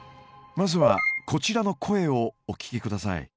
まずはこちらの声をお聞きください。